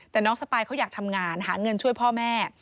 แต่น้องสปายเขาอยากทำงานหาเงินช่วยพ่อแม่